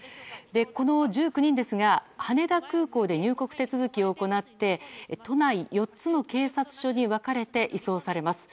この１９人ですが羽田空港で入国手続きを行って都内４つの警察署に分かれて移送されます。